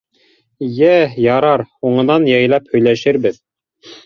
Йә, ярар, һуңынан яйлап һөйләшербеҙ.